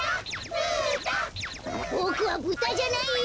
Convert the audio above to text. ボクはブタじゃないよ！